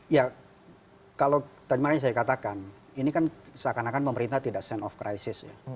ya kalau tadi makanya saya katakan ini kan seakan akan pemerintah tidak sense of crisis ya